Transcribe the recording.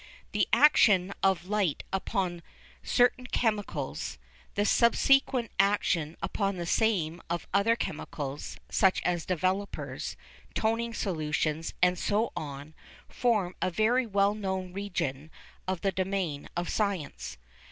The action of light upon certain chemicals, the subsequent action upon the same of other chemicals, such as developers, toning solutions and so on, form a very well known region of the domain of science.